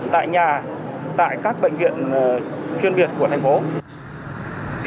tại nhà tại các bệnh viện chuyên biệt của thành phố